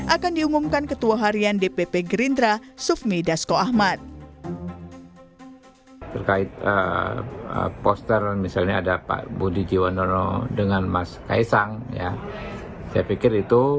akan diumumkan ketua harian dpp gerindra sufmi dasko ahmad